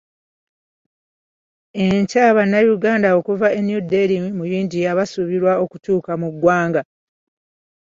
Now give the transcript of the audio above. Enkya Abannayuganda okuva e New Dehli mu India basuubirwa okuttuka mu ggwanga.